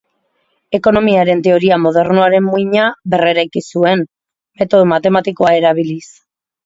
Ekonomiaren teoria modernoaren muina berreraiki zuen, metodo matematikoa erabiliz.